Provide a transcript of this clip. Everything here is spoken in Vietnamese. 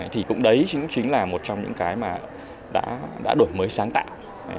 thì cũng đấy cũng chính là một trong những cái mà đã đổi mới sáng tạo